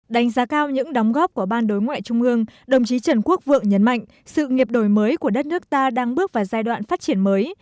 đánh giá cao những đóng góp của ban đối ngoại trung ương đồng chí trần quốc vượng nhấn mạnh sự nghiệp đổi mới của đất nước ta đang bước vào giai đoạn phát triển mới